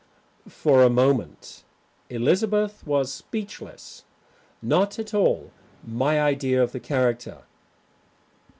For a moment Elizabeth was speechless not at all my idea of the character.